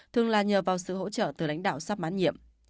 thường là nhờ vào sự hỗ trợ từ lãnh đạo sắp mãn nhiệm